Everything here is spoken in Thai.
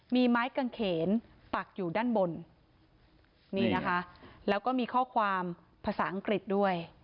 มีไม้กางเขนปักอยู่ด้านบนนี่นะคะแล้วก็มีข้อความภาษาอังกฤษด้วย